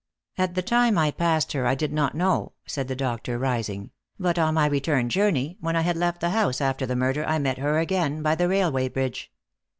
"At the time I passed her I did not know," said the doctor, rising; "but on my return journey, when I had left the house after the murder, I met her again, by the railway bridge.